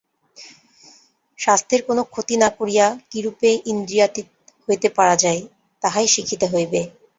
স্বাস্থ্যের কোন ক্ষতি না করিয়া কিরূপে ইন্দ্রিয়াতীত হইতে পারা যায়, তাহাই শিখিতে হইবে।